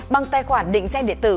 bằng tài khoản định danh điện tử